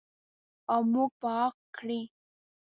او موږ به عاق کړي.